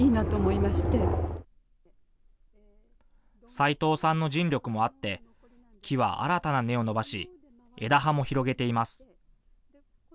斉藤さんの尽力もあって木は新たな根を伸ばし枝葉も広げています。